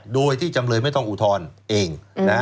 โดยที่จำเลยไม่ต้องอุทธรณ์เอง